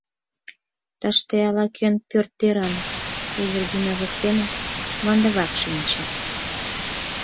Тыште ала-кӧн пӧрт деран Эвердина воктене мландывак шинче.